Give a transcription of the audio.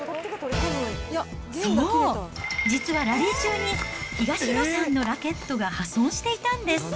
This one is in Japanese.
そう、実はラリー中に、東野さんのラケットが破損していたんです。